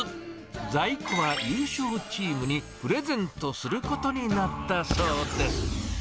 在庫は優勝チームにプレゼントすることになったそうです。